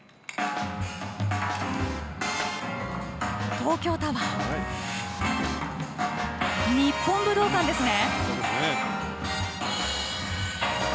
東京タワー日本武道館ですね。